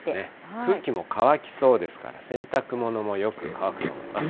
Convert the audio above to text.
空気も乾きそうですから、洗濯物もよく乾くと思います。